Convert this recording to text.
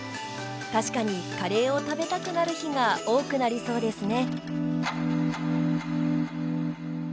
確かにカレーを食べたくなる日が多くなりそうですね。